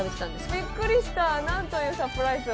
びっくりしたなんというサプライズを。